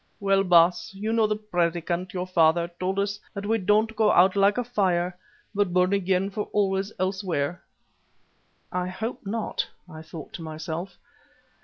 Well, Baas, you know the Predikant, your father, told us that we don't go out like a fire, but burn again for always elsewhere " ("I hope not," I thought to myself.)